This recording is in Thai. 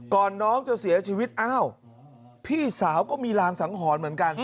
น้องจะเสียชีวิตอ้าวพี่สาวก็มีรางสังหรณ์เหมือนกัน